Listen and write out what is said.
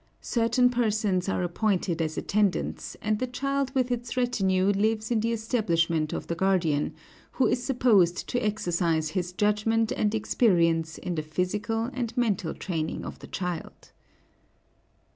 Certain persons are appointed as attendants, and the child with its retinue lives in the establishment of the guardian, who is supposed to exercise his judgment and experience in the physical and mental training of the child.